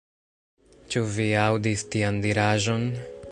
Ĉu vi aŭdis tian diraĵon?